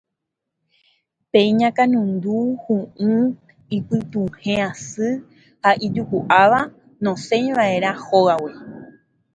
Pe iñakãnundu, hu'u, ipytuhẽ asy ha ijuku'áva nosẽiva'erã hógagui